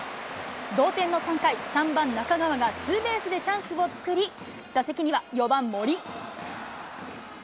同点の３回、３番中川がツーベースでチャンスを作り、打席には４番森。